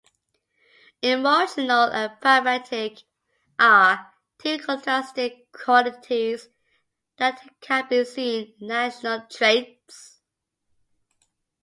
Emotional and pragmatic are two contrasting qualities that can be seen in national traits.